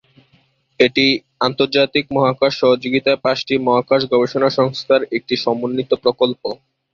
এটি আন্তর্জাতিক মহাকাশ সহযোগিতায় পাঁচটি মহাকাশ গবেষণা সংস্থার একটি সমন্বিত প্রকল্প।